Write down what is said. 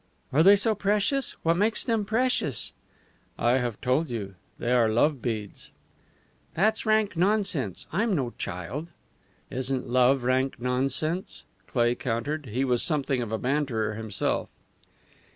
"Are they so precious? What makes them precious?" "I have told you they are love beads." "That's rank nonsense! I'm no child!" "Isn't love rank nonsense?" Cleigh countered. He was something of a banterer himself.